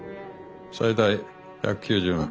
最大１９０万。